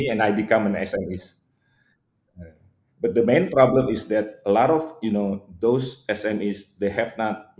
adalah banyak smes yang belum menemukan produk produk yang kami sebutkan